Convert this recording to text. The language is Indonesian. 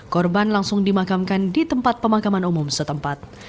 korban langsung dimakamkan di tempat pemakaman umum setempat